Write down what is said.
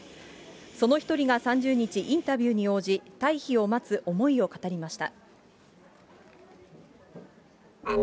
その一人が３０日、インタビューに応じ、退避を待つ思いを語りました。